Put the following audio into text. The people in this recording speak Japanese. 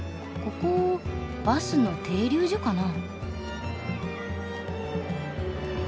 ここバスの停留所かな？